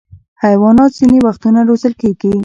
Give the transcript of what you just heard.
حیوانات ځینې وختونه روزل کېږي.